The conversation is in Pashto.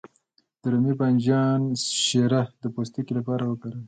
د رومي بانجان شیره د پوستکي لپاره وکاروئ